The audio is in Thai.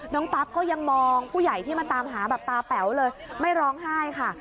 ปั๊บก็ยังมองผู้ใหญ่ที่มาตามหาแบบตาแป๋วเลยไม่ร้องไห้ค่ะ